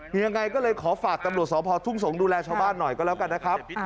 ยังไงก็เลยขอฝากตำรวจสพทุ่งสงศ์ดูแลชาวบ้านหน่อยก็แล้วกันนะครับ